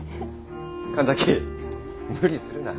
神崎無理するな。